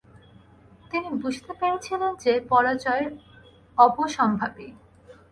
তিনি বুঝতে পেরেছিলেন যে পরাজয় অবসম্ভাবি ।